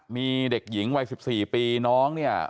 มีเด็กหญิงวัย๑๔ปีน้องเนี่ย